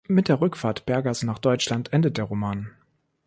Mit der Rückfahrt Bergers nach Deutschland endet der Roman.